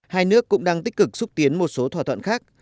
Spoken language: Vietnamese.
hai nước cũng đang tích cực xúc tiến một số thỏa thuận khác